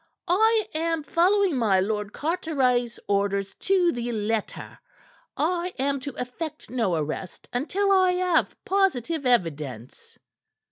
"I am following my Lord Carteret's orders to the letter. I am to effect no arrest until I have positive evidence."